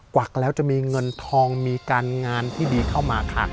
วักแล้วจะมีเงินทองมีการงานที่ดีเข้ามาค่ะ